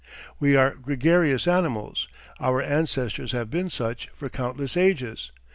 We are gregarious animals; our ancestors have been such for countless ages.